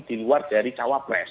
di luar dari cawapres